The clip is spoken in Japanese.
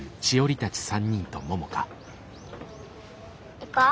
行こう。